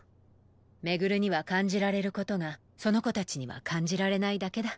廻には感じられる事がその子たちには感じられないだけだ。